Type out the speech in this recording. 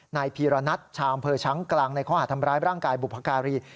นายพีรณัทชาวอำเภอช้างกลางในข้อหาทำร้ายร่างกายบุพการี